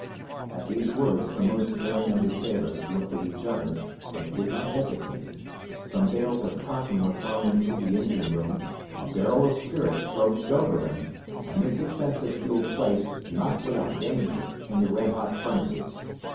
At these words the most daring of the sailors looked at each other, but did not hesitate. Some bales of cotton were thrown into the engine room, a barrel of spirits broached over them, and this expensive fuel placed, not without danger, in the red hot furnaces.